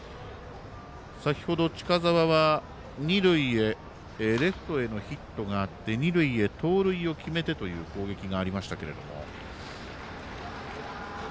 先ほど、近澤はレフトへのヒットがあって二塁へ盗塁を決めてという攻撃がありましたけれども。